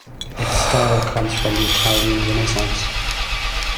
Its style comes from the Italian renaissance.